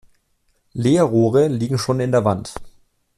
Leerrohre liegen schon in der Wand.